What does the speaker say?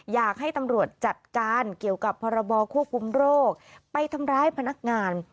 อยากให้ตำรวจจัดการเกี่ยวกับพรบควบคุมโรคไปทำร้ายพนักงาน